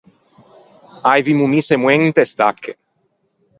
Aivimo misso e moen inte stacche.